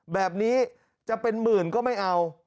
แบบนี้จะเป็นหมื่นก็ไม่เอา